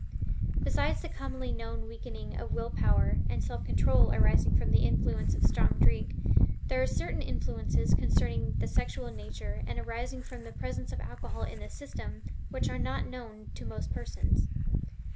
Besides the commonly known weakening of will power and self control arising from the influence of strong drink, there are certain influences concerning the sexual nature and arising from the presence of alcohol in the system, which are not known to most persons.